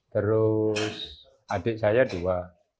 terus adik saya dua